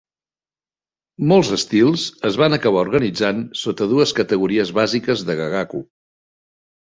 Molts estils es van acabar organitzant sota dues categories bàsiques de gagaku.